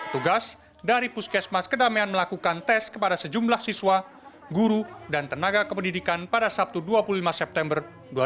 tugas dari puskesmas kedamaian melakukan tes kepada sejumlah siswa guru dan tenaga kependidikan pada sabtu dua puluh lima september dua ribu dua puluh